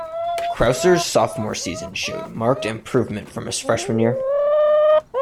Krauser's sophomore season showed marked improvement from his freshman year.